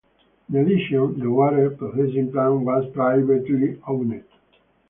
In addition, the water processing plant was privately owned.